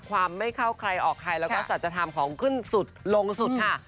ความไม่เข้าใครออกใครแล้วก็สัจธรรมของขึ้นสุดลงสุดค่ะ